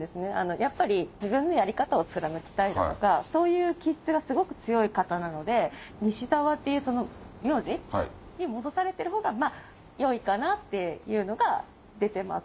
やっぱり自分のやり方を貫きたいだとかそういう気質がすごく強い方なので西澤っていう名字に戻されるほうが良いかなっていうのが出てます。